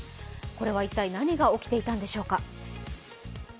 これは一体、何が起きていたのでしょうか。